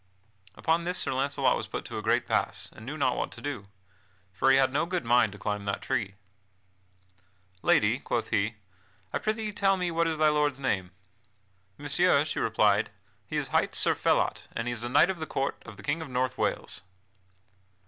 Upon this Sir Launcelot was put to a great pass and knew not what to do, for he had no good mind to climb that tree. "Lady," quoth he, "I prithee tell me what is thy lord's name." "Messire," she replied, "he is hight Sir Phelot, and is a knight of the court of the King of North Wales."